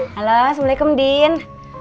halo assalamualaikum din